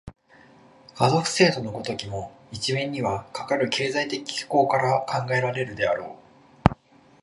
家族制度の如きも、一面にはかかる経済的機構から考えられるであろう。